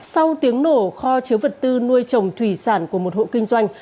sau tiếng nổ kho chứa vật tư nuôi trồng thủy sản của một hộ kinh doanh